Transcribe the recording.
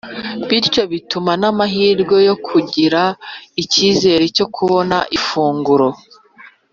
bityo bituma n'amahirwe yo kugira icyizere cyo kubona ifunguro